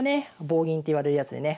棒銀っていわれるやつでね